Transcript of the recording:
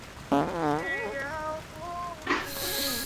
该站在建设阶段曾称北土城东路站。